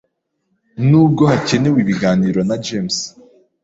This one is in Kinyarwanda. nubwo hakenewe ibiganiro naJames